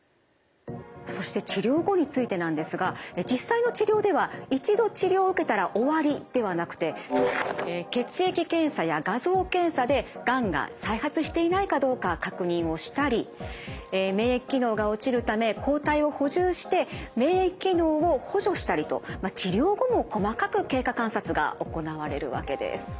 そして治療後についてなんですが実際の治療では一度治療を受けたら終わりではなくて血液検査や画像検査でがんが再発していないかどうか確認をしたり免疫機能が落ちるため抗体を補充して免疫機能を補助したりと治療後も細かく経過観察が行われるわけです。